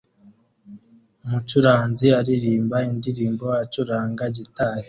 Umucuranzi aririmba indirimbo acuranga gitari